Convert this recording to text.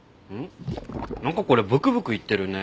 なんかこれブクブクいってるね。